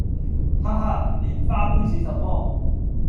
哈哈！蓮花杯是什麼？